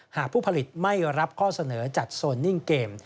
หากผู้ผลิตไม่รับข้อเสนอจัดโซนนิ่งเกม